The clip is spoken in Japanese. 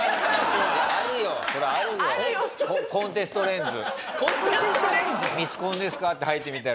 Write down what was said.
コンテストレンズ。